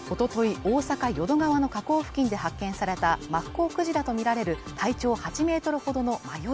大阪淀川の河口付近で発見されたマッコウクジラと見られる体長８メートルほどの迷い